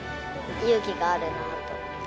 勇気があるなと。